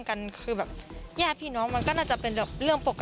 คือแบบย่าพี่น้องมันก็น่าจะเป็นเรื่องปกติอะค่ะ